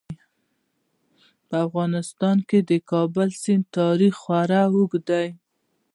په افغانستان کې د کابل سیند تاریخ خورا اوږد دی.